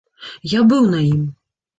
Я быў на ім.